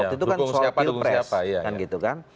dukung siapa dukung siapa